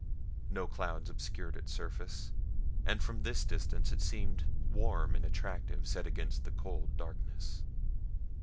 No clouds obscured its surface, and from this distance it seemed warm and attractive set against the cold darkness.